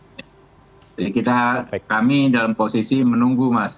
jadi kita kami dalam posisi menunggu mas